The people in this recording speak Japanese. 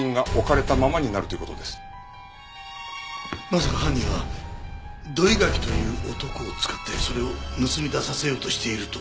まさか犯人は土居垣という男を使ってそれを盗み出させようとしているというのか？